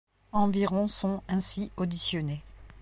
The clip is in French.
Environ sont ainsi auditionnés.